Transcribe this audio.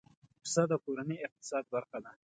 پسه د کورنۍ اقتصاد برخه ده.